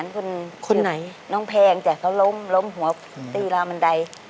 คุณไหนน้องแพงจากเขาล้มหัวตีลาวบันได